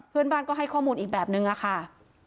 เพื่อนบ้านก็ให้ข้อมูลอีกแบบนึงอะค่ะ